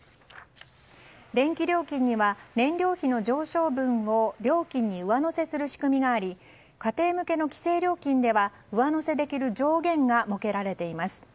電気料金には燃料費の上昇分を料金に上乗せする仕組みがあり家庭向けの規制料金では上乗せできる上限が設けられています。